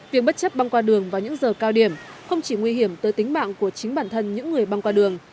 việc bất chấp băng qua đường vào những giờ cao điểm không chỉ nguy hiểm tới tính mạng của chính bản thân những người băng qua đường